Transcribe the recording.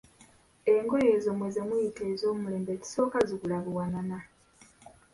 Engoye ezo mmwe zemuyita ez'omulembe ekisooka zigula buwanana.